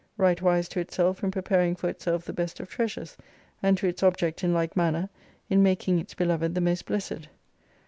Right wise to itself in preparing for itself the best of treasures, and to its object in like manner, in making its beloved the most blessed.